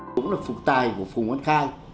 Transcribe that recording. cũng là phục tài của phùng văn khai